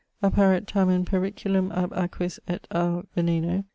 Apparet tamen periculum ab aquis et a veneno.